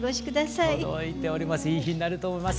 いい日になると思います。